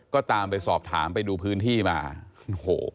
ก็ตามไปสอบถามไปดูพื้นที่มาโอ้โห